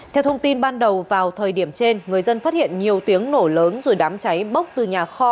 theo thông tin ban đầu vào thời điểm trên người dân phát hiện nhiều tiếng nổ lớn rồi đám cháy bốc từ nhà kho